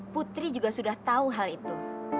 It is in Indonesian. putri juga sudah tahu hal itu